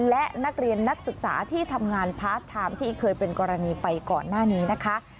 และนักเรียนนักศึกษาที่ทำงานพาร์ทไทม์ที่เคยเป็นกรณีไปก่อนหน้านี้นะคะ